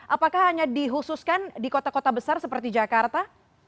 apakah hanya dihususkan di kota kota besar seperti jakarta